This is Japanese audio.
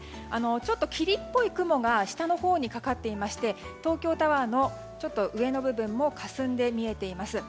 ちょっと霧っぽい雲が下のほうにかかっていまして東京タワーの上の部分もかすんで見えています。